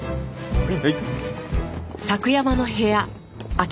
はい。